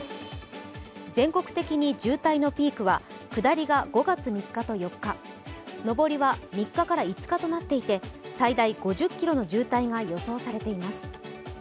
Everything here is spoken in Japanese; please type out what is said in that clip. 全国的に渋滞のピークは下りが５月３日と４日上りは３日から５日となっていて最大５０ｋｍの渋滞が予想されています。